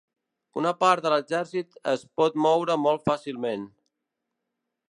Una part de l'exèrcit es pot moure molt fàcilment.